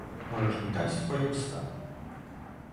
"Możesz mi dać twoje usta!"